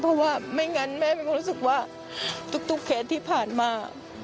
เพราะว่าไม่งั้นแม่เป็นคนรู้สึกว่าทุกเคสที่ผ่านมา